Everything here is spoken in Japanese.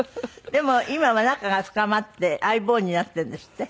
でも今は仲が深まって相棒になってるんですって？